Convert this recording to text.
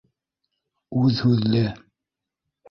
Үҙ һүҙле...